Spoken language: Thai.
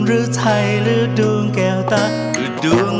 เพราะในลมพัดพาหัวใจพี่ไปถึง